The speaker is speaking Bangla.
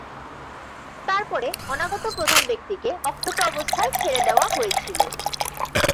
তারপরে অনাগত প্রধান ব্যক্তিকে অক্ষত অবস্থায় ছেড়ে দেওয়া হয়েছিল।